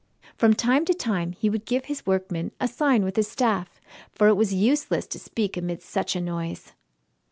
From time to time he would give his workmen a sign with his staff, for it was useless to speak amid such a noise.